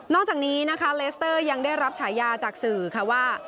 จากนี้นะคะเลสเตอร์ยังได้รับฉายาจากสื่อค่ะว่า